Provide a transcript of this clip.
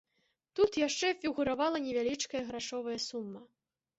Тут яшчэ фігуравала невялічкая грашовая сума.